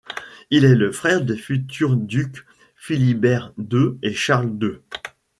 Il est le frère des futurs ducs Philibert ll et Charles ll.